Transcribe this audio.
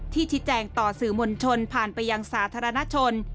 ชี้แจงต่อสื่อมวลชนผ่านไปยังสาธารณชน